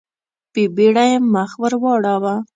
په بېړه يې مخ ور واړاوه.